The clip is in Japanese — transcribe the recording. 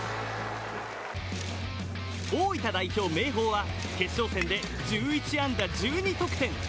大分代表・明豊は決勝戦で１１安打１２得点。